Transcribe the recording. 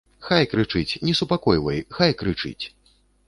Хай крычыць, не супакойвай, хай крычыць.